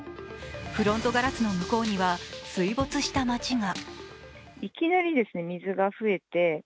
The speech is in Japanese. フロントガラスの向こうには水没した街が。